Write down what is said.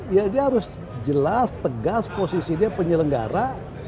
ya dia harus jelas tegas posisi dia penyelenggara